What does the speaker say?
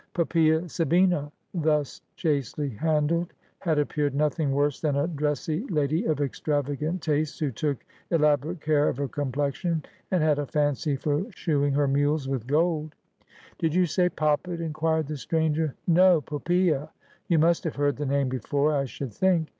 Poppsea Sabina, thus chastely handled, had appeared nothing worse than a dressy lady of extravagant tastes, who took elabo rate care of her complexion, and had a fancy for shoeing her mules with gold. ' Did you say Poppet ?' inquired the stranger. ' No ; Poppsea. You must have heard the name before, I should think.